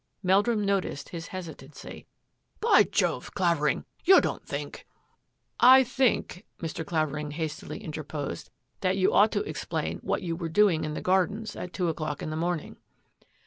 Meldrum noticed his hesitancy. " By Jove, Clavering, you don't think —" 84 THAT AFFAIR AT THE MANOR " I think," Mr. Clavering hastily interposed, " that you ought to explain what you were doing in the gardens at two o'clock in the morning."